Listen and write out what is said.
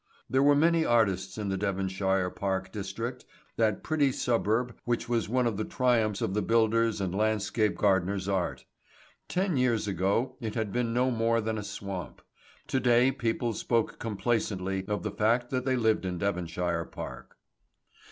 There were many artists in the Devonshire Park district that pretty suburb which was one of the triumphs of the builder's and landscape gardener's art. Ten years ago it had been no more than a swamp; to day people spoke complacently of the fact that they lived in Devonshire Park.